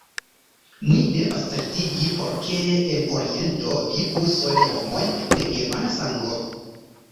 Ni devas certigi, por ke en Oriento vivu sole homoj de germana sango.